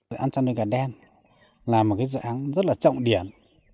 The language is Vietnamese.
dự án trang nuôi gà đen là một dự án rất trọng điển